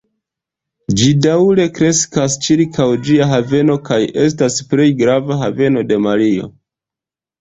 Ĝi daŭre kreskas ĉirkaŭ ĝia haveno kaj estas plej grava haveno de Malio.